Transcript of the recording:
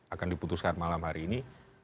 akan diputuskan malam hari ini